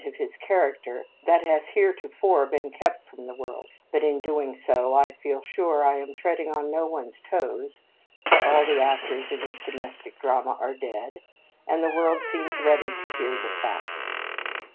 42$ tofore been kept from the world ; but in doing so I feel sure I am treading on no person's toes, for all the actors in this domestic drama are dead, and the world seems ready to hear the facts.